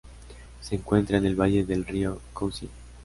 Se encuentra en el valle del río Cousin.